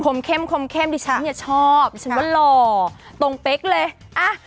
ผมเข้มพี่ฉันบ้างชอบฉันว่าหล่อตรงเฟ็กเลย